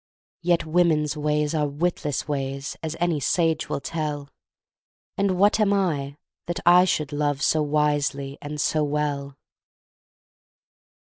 Yet women's ways are witless ways, As any sage will tell, And what am I, that I should love So wisely and so well?